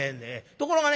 ところがね